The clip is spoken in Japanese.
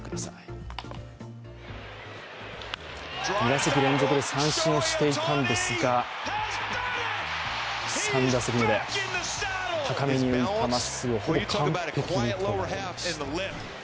２打席連続で三振をしていたんですが、３打席目で高めに浮いたまっすぐほぼ完璧に捉えました。